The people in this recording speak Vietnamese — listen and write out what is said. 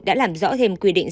đã làm rõ thêm quy định